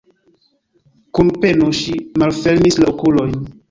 Kun peno ŝi malfermis la okulojn.